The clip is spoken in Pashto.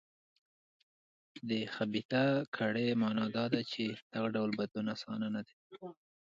د خبیثه کړۍ معنا دا ده چې دغه ډول بدلون اسانه نه دی.